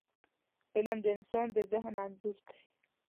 فلم د انسان د ذهن انځور دی